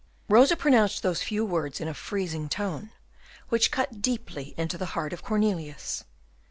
Rosa pronounced those few words in a freezing tone, which cut deeply into the heart of Cornelius.